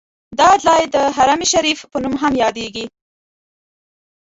دا ځای د حرم شریف په نوم هم یادیږي.